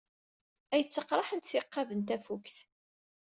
Ay ttaqraḥent tiqqad n tafukt!